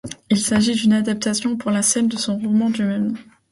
Il s'agit d'une adaptation pour la scène de son roman du même nom.